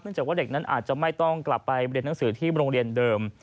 จากว่าเด็กนั้นอาจจะไม่ต้องกลับไปเรียนหนังสือที่โรงเรียนเดิม